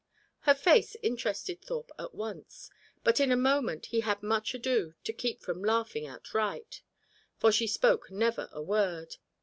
Her face interested Thorpe at once, but in a moment he had much ado to keep from laughing outright. For she spoke never a word.